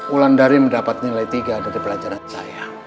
ulan dari mendapat nilai tiga dari pelajaran saya